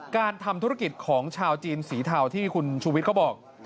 การทำธุรกิจของชาวจีนสีเทาที่คุณชูวิทย์เขาบอก